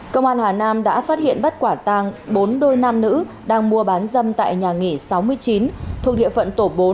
công an hà nam đã phát hiện bắt quả tàng bốn đôi nam nữ đang mua bán dâm tại nhà nghỉ sáu mươi chín thuộc địa phận tổ bốn